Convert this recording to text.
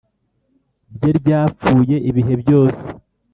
Rye ryapfuye ibihe byose